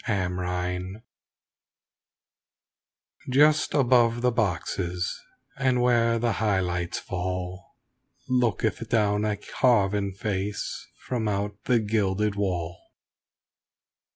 AT THE PLAY Just above the boxes and where the high lights fall Looketh down a carven face from out the gilded wall.